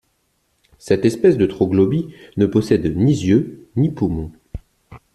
Cette espèce troglobie ne possède ni yeux ni poumons.